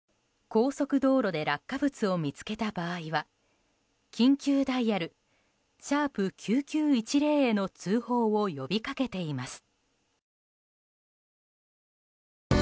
高速道路で落下物を見つけた場合は緊急ダイヤル＃９１１０への通報を呼び掛けています。